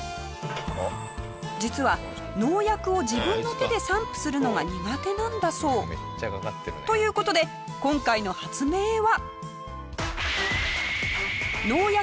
実は農薬を自分の手で散布するのが苦手なんだそう。という事で今回の発明は。